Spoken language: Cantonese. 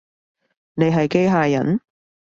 你係機器人？